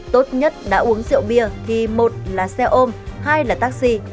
tốt nhất đã uống rượu bia thì một là xe ôm hai là taxi